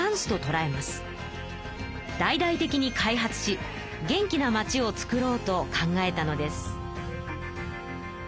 大々的に開発し元気な町をつくろうと考えたのです。